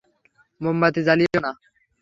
মোমবাতি জ্বালিও না।